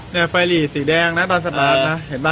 เนี่ยไฟลี่สีแดงนะตอนสัตว์ร้านนะเห็นป่ะ